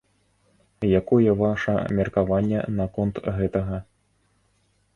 Якое ваша меркаванне наконт гэтага?